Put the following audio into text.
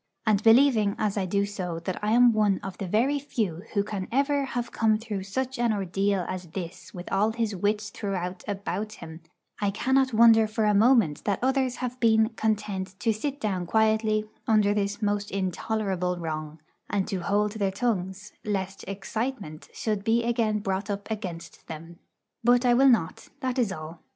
And believing, as I do, that I am one of the very few who can ever have come through such an ordeal as this with all his wits throughout about him, I cannot wonder for a moment that others have been content to sit down quietly under this most intolerable wrong, and to hold their tongues, lest 'excitement' should be again brought up against them. But I will not, that is all.